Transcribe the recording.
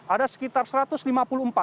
ada sekitar rp satu ratus lima puluh empat